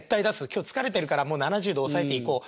今日疲れてるからもう７０で抑えていこう。